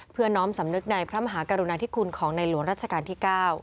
น้อมสำนึกในพระมหากรุณาธิคุณของในหลวงรัชกาลที่๙